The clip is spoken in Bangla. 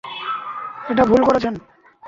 এটা ভুল করছেন।